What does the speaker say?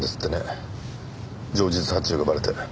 情実発注がバレて。